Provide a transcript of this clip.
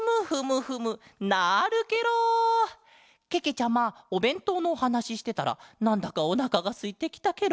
ちゃまおべんとうのおはなししてたらなんだかおなかがすいてきたケロ。